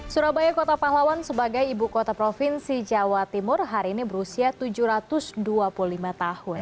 surabaya kota pahlawan sebagai ibu kota provinsi jawa timur hari ini berusia tujuh ratus dua puluh lima tahun